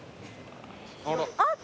あっ！